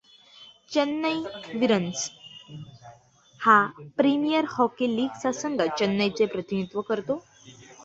चेन्नई वीरन्स हा premier hockey लिगचा संघ चेन्नईचे प्रतिनिधित्व करतो.